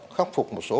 khắc phục một số